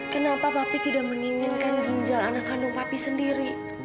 kenapa papi tidak menginginkan ginjal anak kandung papi sendiri